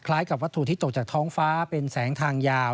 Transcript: กับวัตถุที่ตกจากท้องฟ้าเป็นแสงทางยาว